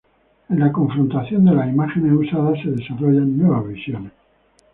En la confrontación de las imágenes usadas se desarrollan nuevas visiones.